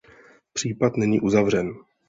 Případ není uzavřen.